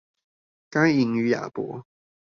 該隱與亞伯